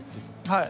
はい。